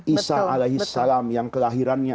isa yang kelahirannya